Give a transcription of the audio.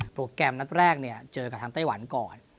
โปรแกรมนัดแรกเนี่ยเจอกับทางไต้หวันก่อน